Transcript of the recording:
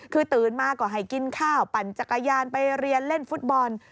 คือตื่นมาก็ให้กินข้าวปั่นจักรยานไปเรียนเล่นฟุตบอล